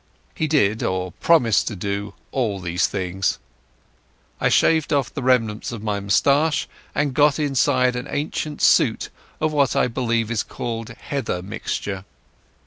He did, or promised to do, all these things. I shaved off the remnants of my moustache, and got inside an ancient suit of what I believe is called heather mixture.